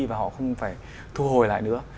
và họ không phải thu hồi lại nữa